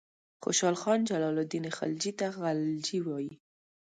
خوشحال خان جلال الدین خلجي ته غلجي وایي.